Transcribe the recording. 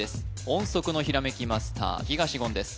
音速のひらめきマスター東言です